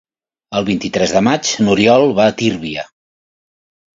El vint-i-tres de maig n'Oriol va a Tírvia.